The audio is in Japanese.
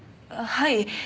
はい。